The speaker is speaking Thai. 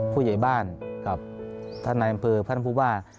ผู้ใหญ่บ้านกับท่านนายอำเภอท่านผู้ว่า